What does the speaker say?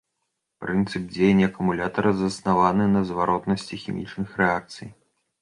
Прынцып дзеяння акумулятара заснаваны на зваротнасці хімічных рэакцый.